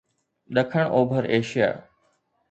ڏکڻ اوڀر ايشيا